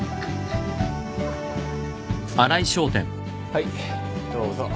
はいどうぞ。